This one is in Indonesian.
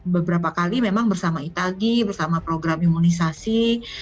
beberapa kali memang bersama itagi bersama program imunisasi